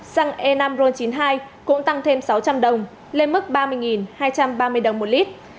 xăng e năm ron chín mươi hai cũng tăng thêm sáu trăm linh đồng lên mức ba mươi hai trăm ba mươi đồng một lít